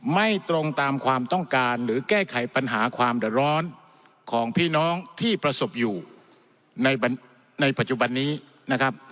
ไม่ตรงตามความต้องการหรือแก้ไขปัญหาความเดือดร้อนของพี่น้องที่ประสบอยู่ในปัจจุบันนี้นะครับ